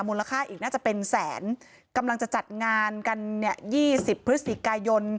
มูลค่าอีกน่าจะเป็นแสนกำลังจะจัดงานกันเนี่ย๒๐พฤศจิกายน